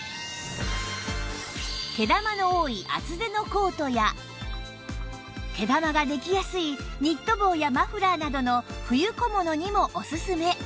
毛玉の多い厚手のコートや毛玉ができやすいニット帽やマフラーなどの冬小物にもおすすめ